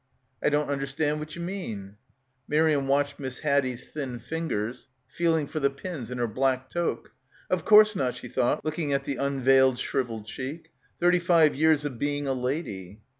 "I don't understand what ye mean," Miriam watched Miss Haddie's thin fingers feeling for the pins in her black toque. "Of course not," she thought, looking at the unveiled shrivelled cheek. ... "thirty five years of being a lady."